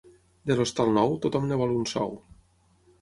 De l'hostal nou, tothom en vol un sou.